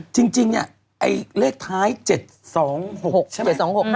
จริงเนี่ยไอ้เลขท้าย๗๒๖ใช่ไหม